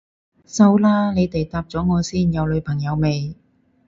收啦，你哋答咗我先，有女朋友未？